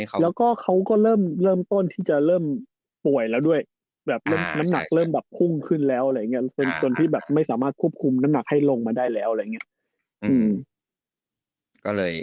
แล้วก็เขาก็เริ่มเริ่มต้นที่จะเริ่มป่วยแล้วด้วยแบบเริ่มน้ำหนักเริ่มแบบพุ่งขึ้นแล้วอะไรอย่างนี้จนที่แบบไม่สามารถควบคุมน้ำหนักให้ลงมาได้แล้วอะไรอย่างนี้